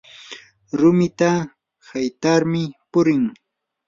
rumita haytarmi purin